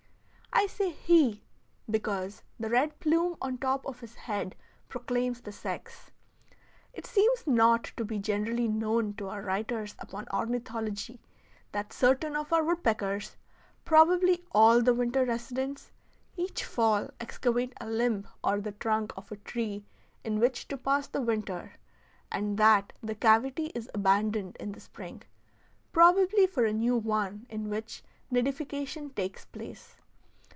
I say "he" because the red plume on the top of his head proclaims the sex. It seems not to be generally known to our writers upon ornithology that certain of our woodpeckers probably all the winter residents each fall excavate a limb or the trunk of a tree in which to pass the winter, and that the cavity is abandoned in the spring, probably for a new one in which nidification takes place.